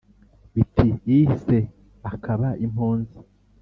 Biti ihi se, akaba impunzi